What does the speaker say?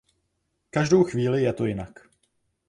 Každou chvíli je to jinak.